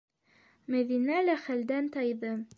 Мәҙинә лә хәлдән тайҙы.